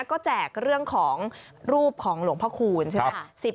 ก็แจกเรื่องของรูปของหลวงพระคูณใช่ไหม